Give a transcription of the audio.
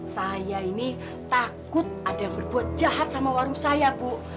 saya ini takut ada yang berbuat jahat sama warung saya bu